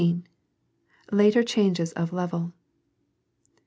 Later changes of level.